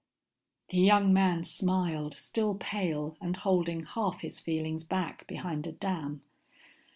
The young man smiled, still pale and holding half his feelings back behind a dam.